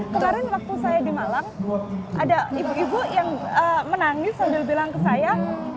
kemarin waktu saya di malang ada ibu ibu yang menangis sambil bilang ke saya